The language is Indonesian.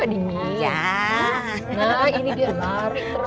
alhamdulillah ya semuanya pada happy